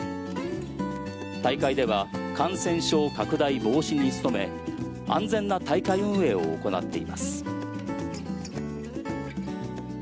大会では感染症拡大防止に努め安全な大会運営を行っています。